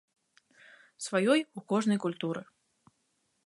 Сваёй у кожнай культуры.